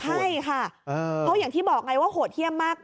ใช่ค่ะเพราะอย่างที่บอกไงว่าโหดเยี่ยมมาก